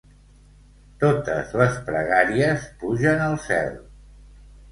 Totes les pregàries pugen al cel.